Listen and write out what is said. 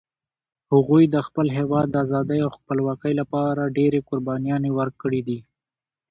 هغوی د خپل هیواد د آزادۍ او خپلواکۍ لپاره ډېري قربانيان ورکړي دي